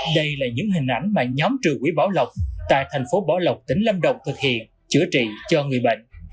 đây là những hình ảnh mà nhóm trừ quỹ bảo lộc tại thành phố bảo lộc tỉnh lâm đồng thực hiện chữa trị cho người bệnh